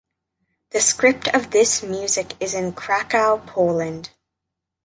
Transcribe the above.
The script of this music is in Krakow, Poland.